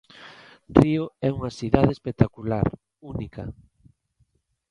Río é unha cidade espectacular, única.